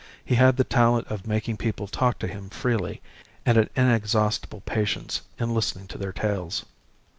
He had the talent of making people talk to him freely, and an inexhaustible patience in listening to their tales.